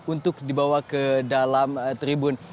untuk dibawa ke dalam tribun